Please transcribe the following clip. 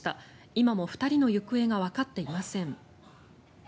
今も２人の行方がわかっていません。